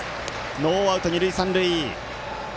ノーアウト、二塁三塁。